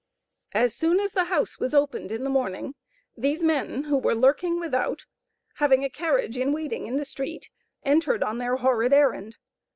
"As soon as the house was opened in the morning, these men who were lurking without, having a carriage in waiting in the street, entered on their horrid errand.